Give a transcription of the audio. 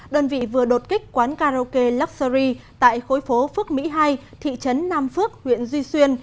đơn vị vừa đột kích quán karaoke luxury tại khối phố phước mỹ hai thị trấn nam phước huyện duy xuyên